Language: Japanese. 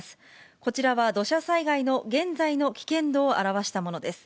こちらは土砂災害の現在の危険度を表したものです。